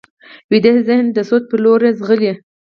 ویده ذهن د سوچ پر لور ځغلي